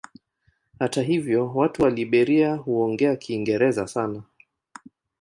Hata hivyo watu wa Liberia huongea Kiingereza sana.